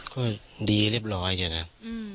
ก็ดีเรียบร้อยอย่างนั้น